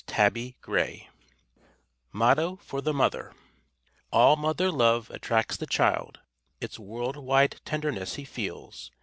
TABBY GRAY_ MOTTO FOR THE MOTHER "_All mother love attracts the child, Its world wide tenderness he feels.